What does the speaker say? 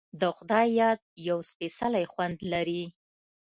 د خدای یاد یو سپیڅلی خوند لري.